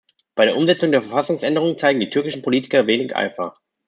Bei der Umsetzung der Verfassungsänderung zeigen die türkischen Politiker wenig Eifer.